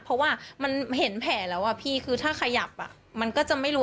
เพราะว่ามันเห็นแผลแล้วอะพี่คือถ้าขยับมันก็จะไม่รู้